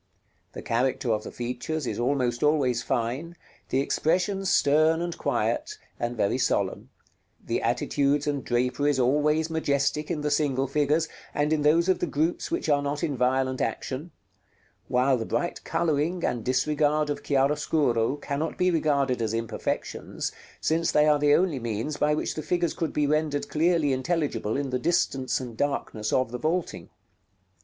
The character of the features is almost always fine, the expression stern and quiet, and very solemn, the attitudes and draperies always majestic in the single figures, and in those of the groups which are not in violent action; while the bright coloring and disregard of chiaroscuro cannot be regarded as imperfections, since they are the only means by which the figures could be rendered clearly intelligible in the distance and darkness of the vaulting.